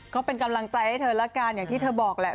ก็เป็นกำลังใจให้เธอละกันอย่างที่เธอบอกแหละ